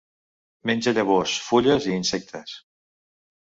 Menja llavors, fulles i insectes.